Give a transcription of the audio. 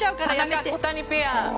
田中・小谷ペア。